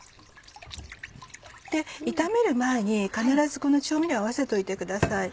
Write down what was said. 炒める前に必ずこの調味料を合わせといてください。